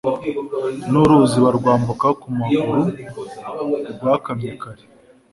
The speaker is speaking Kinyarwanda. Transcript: n’uruzi barwambuka ku maguru rwakamye kare